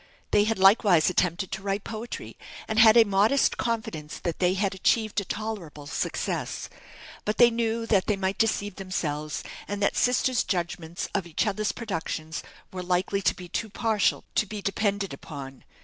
They had likewise attempted to write poetry; and had a modest confidence that they had achieved a tolerable success. But they knew that they might deceive themselves, and that sisters' judgments of each other's productions were likely to be too partial to be depended upon.